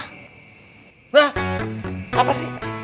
hah apa sih